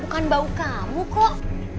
bukan bau kamu kok